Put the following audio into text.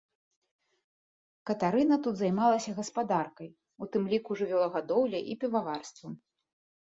Катарына тут займалася гаспадаркай, у тым ліку жывёлагадоўляй і піваварствам.